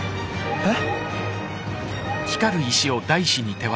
えっ？